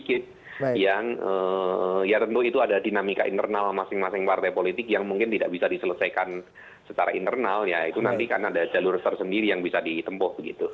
karena itu nanti kita bisa mencari hal hal yang bisa kita lakukan secara internal masing masing partai politik yang mungkin tidak bisa diselesaikan secara internal ya itu nanti kan ada jalur jalur sendiri yang bisa ditempuh begitu